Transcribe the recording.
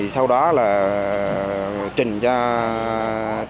sau đó là trình cho trưởng phòng